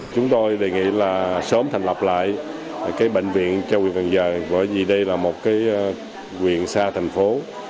chúng tôi đề nghị là sớm thành lập lại bệnh viện cho huyện cần giờ bởi vì đây là một quyền xa thành phố